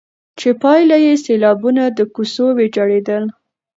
چي پايله يې سيلابونه، د کوڅو ويجاړېدل،